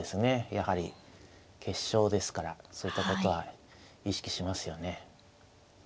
やはり決勝ですからそういったことは意識しますよね。